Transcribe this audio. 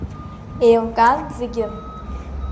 Иеилкаан зегьы.